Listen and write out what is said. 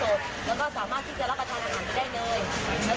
แล้วก็สามารถที่จะรับประทานอาหารไปได้เลย